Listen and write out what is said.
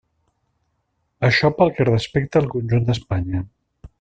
Això pel que respecta al conjunt d'Espanya.